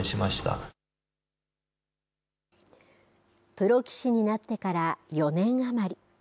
プロ棋士になってから４年余り。